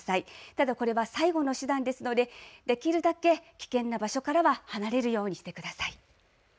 ただ、これは最後の手段ですのでできるだけ危険な場所からは離れるようにしてください。